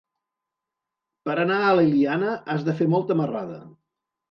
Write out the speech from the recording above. Per anar a l'Eliana has de fer molta marrada.